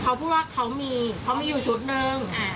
เขาพูดว่าเขามีเขามีอยู่ชุดนึง